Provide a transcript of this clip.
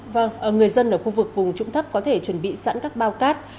vâng người dân ở khu vực vùng trũng thấp có thể chuẩn bị sẵn các bao cát